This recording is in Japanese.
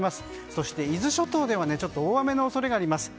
そして伊豆諸島では大雨の恐れがあります。